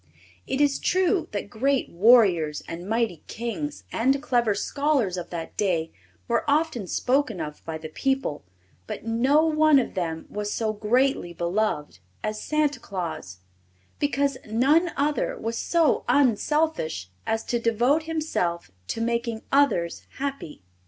It is true that great warriors and mighty kings and clever scholars of that day were often spoken of by the people; but no one of them was so greatly beloved as Santa Claus, because none other was so unselfish as to devote himself to making others happy.